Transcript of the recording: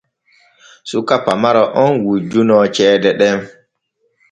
Suka pamaro on wujjunoo ceede ɗen.